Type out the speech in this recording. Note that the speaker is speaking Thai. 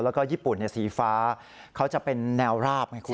แล้วก็ญี่ปุ่นสีฟ้าเขาจะเป็นแนวราบไงคุณ